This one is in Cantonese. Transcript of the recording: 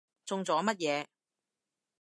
中咗乜嘢？